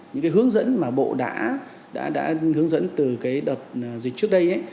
những cái hướng dẫn mà bộ đã hướng dẫn từ cái đợt dịch trước đây